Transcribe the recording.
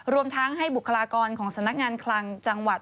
รวมทั้งให้บุคลากรของสำนักงานคลังจังหวัด